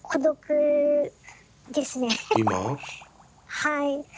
はい。